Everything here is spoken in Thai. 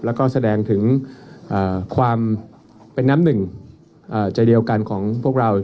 แล้วก็แสดงถึงความเป็นน้ำหนึ่งใจเดียวกันของพวกเรา